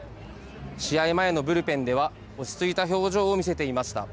試合前のブルペンでは、落ち着いた表情を見せていました。